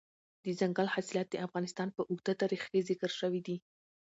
دځنګل حاصلات د افغانستان په اوږده تاریخ کې ذکر شوي دي.